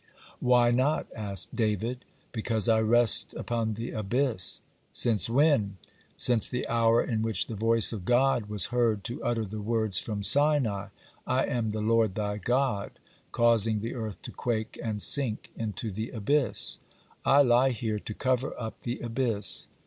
"Why not?" asked David. "Because I rest upon the abyss." "Since when?" "Since the hour in which the voice of God was heard to utter the words from Sinai, 'I am the Lord thy God,' causing the earth to quake and sink into the abyss. I lie here to cover up the abyss."